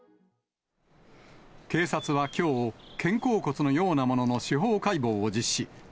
警察はきょう、肩甲骨のようなものの司法解剖を実施。